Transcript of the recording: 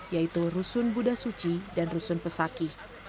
yaitu rusun buddha suci dan rusun pesaki